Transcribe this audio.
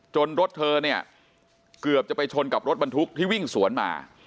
รถเธอเนี่ยเกือบจะไปชนกับรถบรรทุกที่วิ่งสวนมา